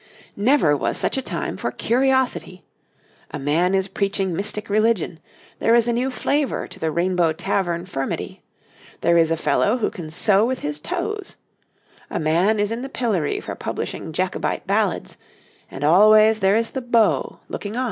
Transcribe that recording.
Never was such a time for curiosity: a man is preaching mystic religion; there is a new flavour to the Rainbow Tavern furmity; there is a fellow who can sew with his toes; a man is in the pillory for publishing Jacobite ballads and always there is the beau looking on.